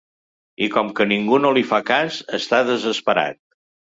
I com que ningú no li fa cas està desesperat.